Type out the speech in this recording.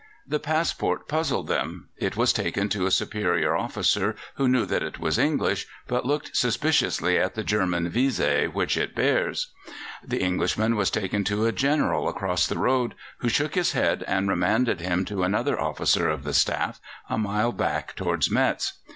The passport puzzled them; it was taken to a superior officer, who knew that it was English, but looked suspiciously at the German visé which it bears. The Englishman was taken to a General across the road, who shook his head and remanded him to another officer of the staff, a mile back towards Metz.